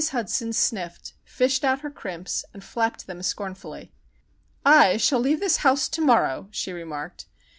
Hudson sniffed, fished out her crimps, and flapped them scornfully. "I leave this house to morrow," she remarked.